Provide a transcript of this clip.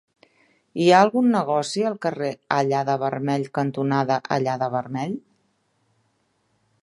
Hi ha algun negoci al carrer Allada-Vermell cantonada Allada-Vermell?